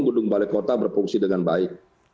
gedung balai kota berfungsi dengan baik